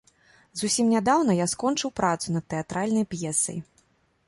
Зусім нядаўна я скончыў працу над тэатральнай п'есай.